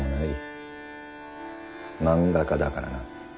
漫画家だからな。